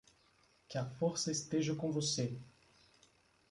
Que a força esteja com você!